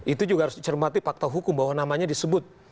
itu juga harus dicermati fakta hukum bahwa namanya disebut